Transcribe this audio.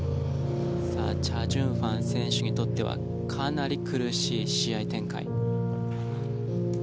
チャ・ジュンファン選手にとってはかなり苦しい試合展開。